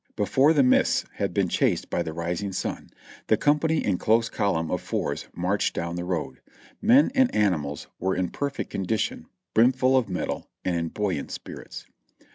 Before the mists had been chased by the rising sun, the com pany in close column of fours marched down the road. Men and animals were in perfect condition, brimful of mettle and in buoy ant spirits.